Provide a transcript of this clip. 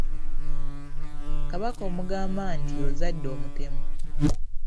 Kabaka omugamba nti ozadde omutemu.